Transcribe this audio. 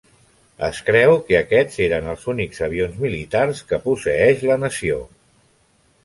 Es creu que aquests eren els únics avions militar que posseeix la nació.